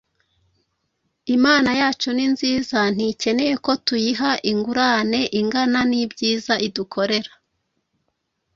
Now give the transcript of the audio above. Imana yacu ni nziza ntikeneye ko tuyiha ingurane ingana n’ibyiza idukorera